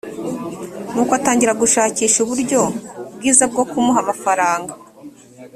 nuko atangira gushakisha uburyo bwiza bwo kumuha amafaranga